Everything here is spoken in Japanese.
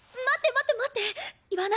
待って待って待って！